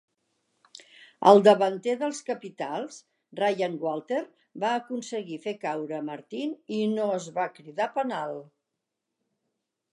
El davanter dels Capitals, Ryan Walter, va aconseguir fer caure a Martin i no es va cridar penal.